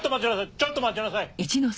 ちょっと待ちなさい！